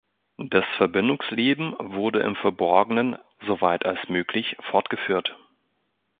Das Verbindungsleben wurde im Verborgenen so weit als möglich fortgeführt.